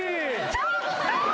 ちょっと！